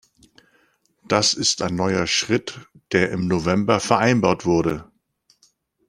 Das ist ein neuer Schritt, der im November vereinbart wurde.